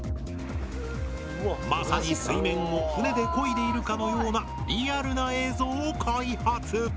まさに水面を舟でこいでいるかのようなリアルな映像を開発。